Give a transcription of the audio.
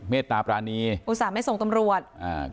ตาปรานีอุตส่าห์ไม่ส่งตำรวจอ่า